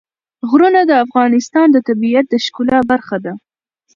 غرونه د افغانستان د طبیعت د ښکلا برخه ده.